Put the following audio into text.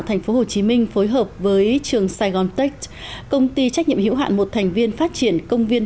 tp hcm phối hợp với trường saigon tech công ty trách nhiệm hữu hạn một thành viên phát triển công viên